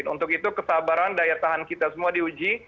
untuk itu kesabaran daya tahan kita semua diuji